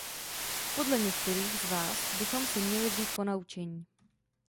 Podle některých z vás bychom si měli vzít ponaučení.